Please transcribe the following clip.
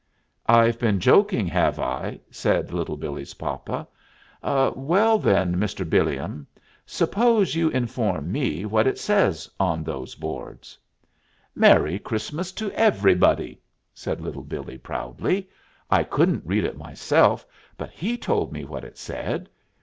"I've been joking, have I?" said Little Billee's papa. "Well, then, Mr. Billiam, suppose you inform me what it says on those boards." "'Merry Christmas to Everybody,'" said Little Billee proudly. "I couldn't read it myself, but he told me what it said.